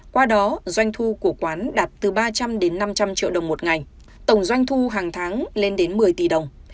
qua đó doanh thu của quán đạt từ ba trăm linh đến năm trăm linh triệu đồng một ngày tổng doanh thu hàng tháng lên đến một mươi tỷ đồng